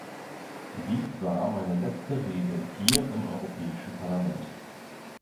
Dies war meine letzte Rede hier im Europäischen Parlament.